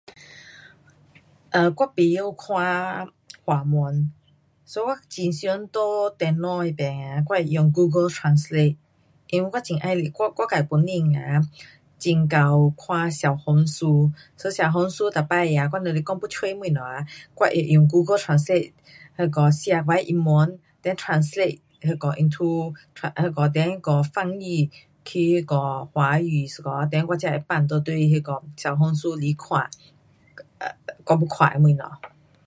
[um]我甭晓看华文，so我很常在电脑那边啊我会用google translate，因为我很喜欢， 我，我自本身啊很会看小红书，so小红书每次呀我若是讲要找东西啊，我会用google translate 那个写我的英文，then translate那个 into 那个then那个翻译去华语一下then 我才会放回去那个小红书去看[um]我要看的东西。